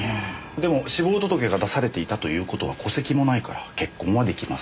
でも死亡届が出されていたという事は戸籍もないから結婚は出来ません。